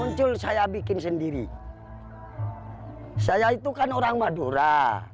muncul saya bikin sendiri saya itu kan orang madura